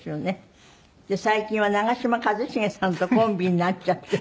最近は長嶋一茂さんとコンビになっちゃって。